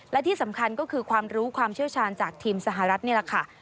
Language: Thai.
และที่สำคัญก็คือความรู้ความเชี่ยวชาญจากทีมสหรัฐนี่แหละค่ะ